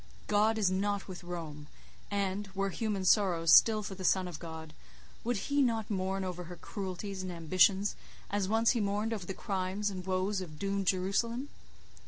God is not with Rome, and, were human sorrows still for the Son of God, would he not mourn over her cruelties and ambitions, as once he mourned over the crimes and woes of doomed Jerusalem!